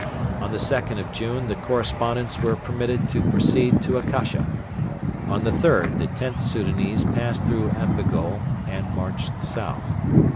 On the 2nd of June the correspondents were permitted to proceed to Akasha. On the 3rd the Xth Soudanese passed through Ambigole and marched south.